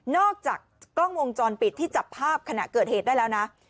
อกจากกล้องวงจรปิดที่จับภาพขณะเกิดเหตุได้แล้วนะ